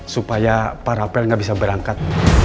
supaya para pel nggak bisa berangkat